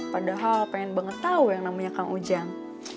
padahal pengen banget tahu yang namanya kang ujang